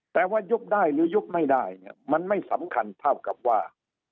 แต่ว่ายุบได้หรือยุบไม่ได้เนี่ยมันไม่สำคัญเท่ากับว่า